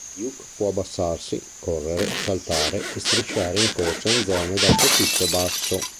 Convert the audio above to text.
Duke può abbassarsi, correre, saltare, e strisciare in corsa in zone dal soffitto basso.